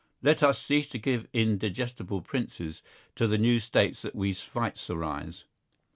Let us cease to give indigestible princes to the new States that we Schweitzerize.